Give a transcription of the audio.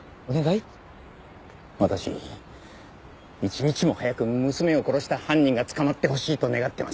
私一日も早く娘を殺した犯人が捕まってほしいと願ってます。